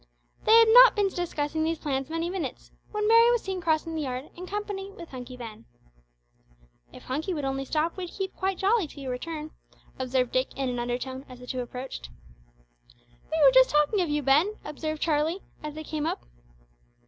They had not been discussing these plans many minutes, when Mary was seen crossing the yard in company with Hunky Ben. "If Hunky would only stop, we'd keep quite jolly till you return," observed Dick, in an undertone as the two approached. "We were just talking of you, Ben," observed Charlie, as they came up.